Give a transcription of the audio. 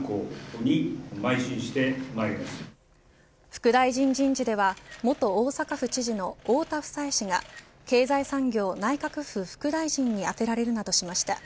副大臣人事では元大阪府知事の太田房江氏が経済産業内閣府副大臣にあてられるなどしました。